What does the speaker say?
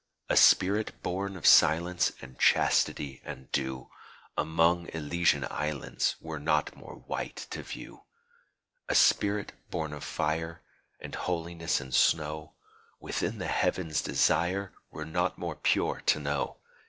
A spirit born of silence And chastity and dew Among Elysian islands Were not more white to view. A spirit born of fire And holiness and snow Within the Heavens' desire, Were not more pure to know.